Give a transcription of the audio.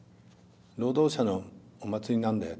労働者のお祭りなんだよ」と。